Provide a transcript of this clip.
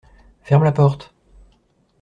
Ferme la porte.